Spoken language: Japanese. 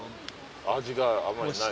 味があまりない。